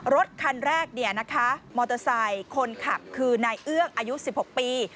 รถคันแรกเนี่ยนะคะมอเตอร์ไซค์คนขับคือนายเอื้อกอายุสิบสิบปี